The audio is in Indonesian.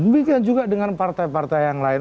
demikian juga dengan partai partai yang lain